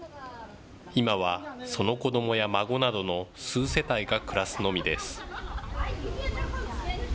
今はその子どもや孫などの数世帯が暮らすのみです。